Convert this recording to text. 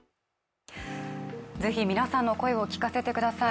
ぜひ皆さんの声を聞かせてください。